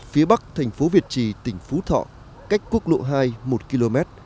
nằm ở phía bắc thành phố việt trì tỉnh phú thọ cách quốc lộ hai một km